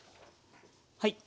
はい。